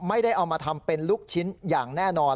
ไม่ได้เอามาทำเป็นลูกชิ้นอย่างแน่นอน